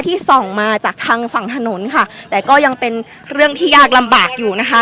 ส่องมาจากทางฝั่งถนนค่ะแต่ก็ยังเป็นเรื่องที่ยากลำบากอยู่นะคะ